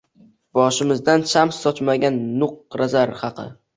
Boshimizdan shams sochmagan nuqra-zar haqi